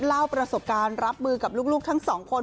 เล่าประสบการณ์รับมือกับลูกทั้งสองคน